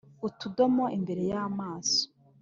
utudomo imbere y'amaso